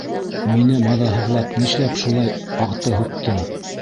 Мине маҙаһыҙлап нишләп шулай ҡаты һуҡтың?